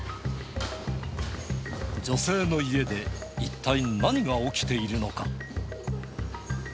女性の家で、一体何が起きているのか。